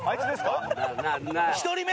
１人目だ！